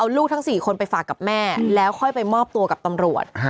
เอาลูกทั้ง๔คนไปฝากกับแม่แล้วค่อยไปมอบตัวกับตำรวจ